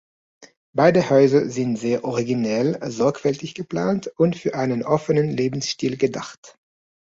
Beide Häuser sind sehr originell, sorgfältig geplant und für einen offenen Lebensstil gedacht.